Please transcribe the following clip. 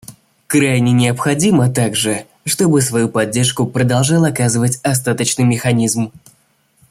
Крайне необходимо также, чтобы свою поддержку продолжал оказывать Остаточный механизм.